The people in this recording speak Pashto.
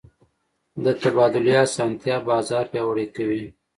د تبادلې اسانتیا بازار پیاوړی کوي.